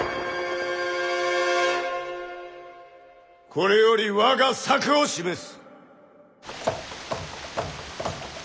これより我が策を示す。